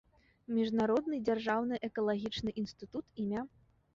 Міжнародны дзяржаўны экалагічны інстытут ім.